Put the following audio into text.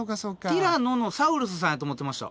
ティラノのサウルスさんやと思ってました。